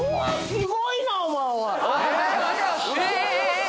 すごいなお前おいえっ？